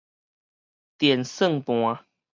電算盤